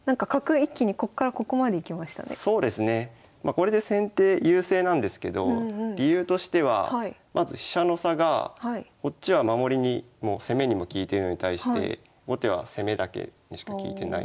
これで先手優勢なんですけど理由としてはまず飛車の差がこっちは守りにも攻めにも利いてるのに対して後手は攻めだけにしか利いてないので。